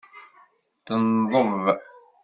Tenḍeb.